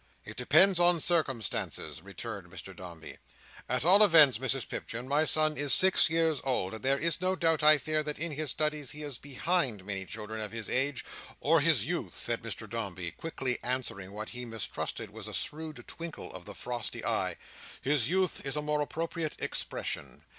"It depends on circumstances, returned Mr Dombey; "at all events, Mrs Pipchin, my son is six years old, and there is no doubt, I fear, that in his studies he is behind many children of his age—or his youth," said Mr Dombey, quickly answering what he mistrusted was a shrewd twinkle of the frosty eye, "his youth is a more appropriate expression.